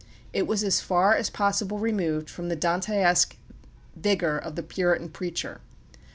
It was as far as possible removed from the Dantesque vigor of the Puritan preacher.